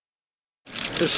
よし！